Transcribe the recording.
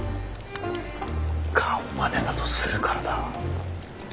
顔まねなどするからだ。